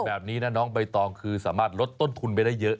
แบบนี้นะน้องใบตองคือสามารถลดต้นทุนไปได้เยอะ